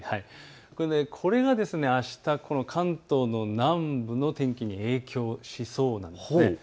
これがあした関東の南部の天気に影響しそうなんです。